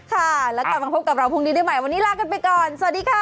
ค่ะแล้วกลับมาพบกับเราพรุ่งนี้ได้ใหม่วันนี้ลากันไปก่อนสวัสดีค่ะ